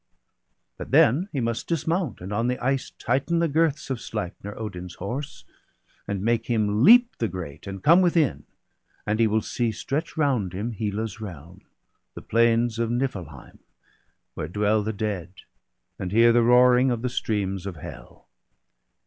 But then he must dismount, and on the ice Tighten the girths of Sleipner, Odin's horse, And make him leap the grate, and come within. And he will see stretch round him Hela's realm. The plains of Niflheim, where dwell the dead, And hear the roaring of the streams of Hell.